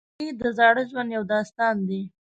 لرګی د زاړه ژوند یو داستان دی.